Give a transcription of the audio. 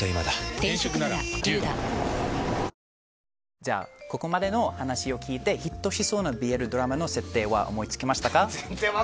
じゃあここまでの話を聞いてヒットしそうなＢＬドラマの設定思いつきましたか？